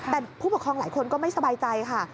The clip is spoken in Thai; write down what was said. แต่ผู้ปกครองหลายคนก็ไม่สบายใจค่ะ